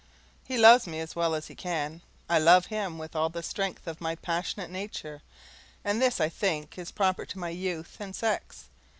He loves me as well as he can; I love him with all the strength of my passionate nature, and this, I think, is proper to my youth and sex.